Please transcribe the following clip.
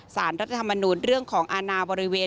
สารรัฐธรรมนูญเรื่องของอาณาบริเวณ